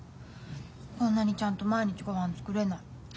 こんなにちゃんと毎日ごはん作れない。